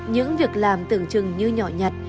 những việc làm tưởng chừng như nhỏ nhặt